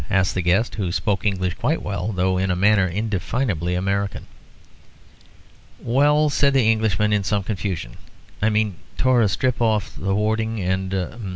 asked the guest, who spoke English quite well, though in a manner indefinably American. "Well," said the Englishman, in some confusion, "I mean tore a strip off a hoarding and